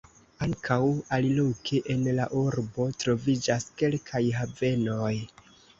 Ankaŭ aliloke en la urbo troviĝas kelkaj havenoj.